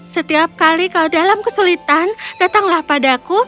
setiap kali kau dalam kesulitan datanglah ke sini